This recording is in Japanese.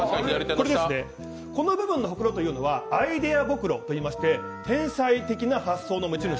この部分のほくろというのはアイデアぼくろと言いまして天才的な発想の持ち主。